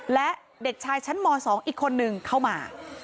และเด็กชายชั้นม๒อีกคนนึงเข้ามา